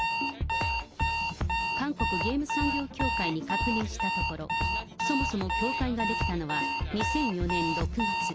韓国ゲーム産業協会に確認したところ、そもそも協会が出来たのは２００４年６月。